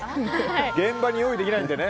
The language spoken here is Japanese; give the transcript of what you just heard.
現場に用意できないので。